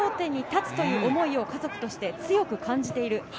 新しい国立で頂点に立つという思いを家族として強く感じている。